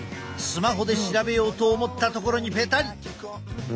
スマホで調べようと思ったところにペタリ。